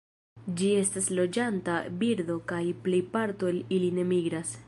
Ĝi estas loĝanta birdo kaj plej parto el ili ne migras.